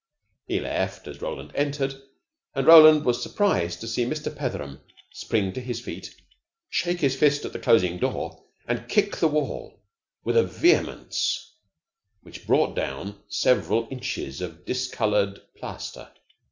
He left as Roland entered and Roland was surprized to see Mr. Petheram spring to his feet, shake his fist at the closing door, and kick the wall with a vehemence which brought down several inches of discolored plaster.